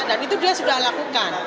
itu dia sudah lakukan